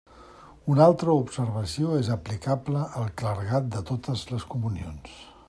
Una altra observació és aplicable al clergat de totes les comunions.